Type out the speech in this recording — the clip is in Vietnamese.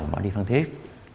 bảo đi phan thiết